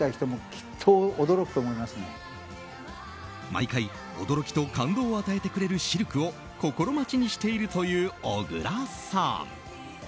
毎回、驚きと感動を与えてくれるシルクを心待ちにしているという小倉さん。